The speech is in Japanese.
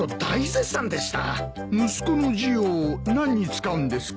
息子の字を何に使うんですか？